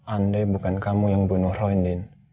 andai bukan kamu yang bunuh roy din